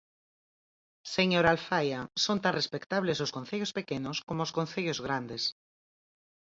Señora Alfaia, son tan respectables os concellos pequenos como os concellos grandes.